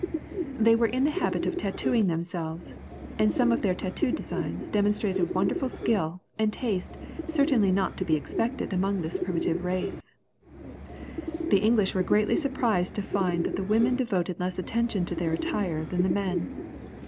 They were in the habit of tatooing themselves, and some of their tatoo designs demonstrated wonderful skill, and taste certainly not to be expected among this primitive race. The English were greatly surprised to find that the women devoted less attention to their attire than the men.